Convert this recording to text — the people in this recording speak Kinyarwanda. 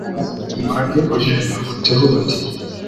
Umurage uje huti huti